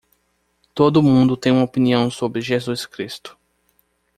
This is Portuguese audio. Todo mundo tem uma opinião sobre Jesus Cristo.